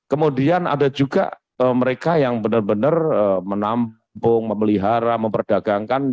kemudian ada juga mereka yang benar benar menampung memelihara memperdagangkan